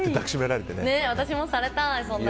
私もされたい！